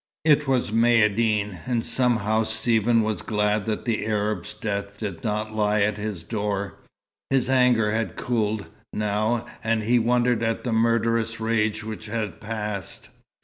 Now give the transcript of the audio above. It was Maïeddine, and somehow Stephen was glad that the Arab's death did not lie at his door. His anger had cooled, now, and he wondered at the murderous rage which had passed.